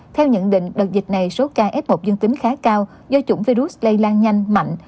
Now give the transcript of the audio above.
theo nhận định đợt dịch này số ca f một dương tính khá cao do chủng virus lây lan nhanh mạnh